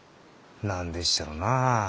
何でっしゃろなあ。